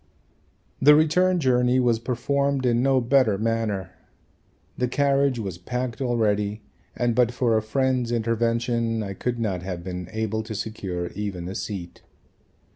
The return journey was performed in no better manner. The carriage was packed already and but for a friend's intervention I could not have been able to secure even a seat.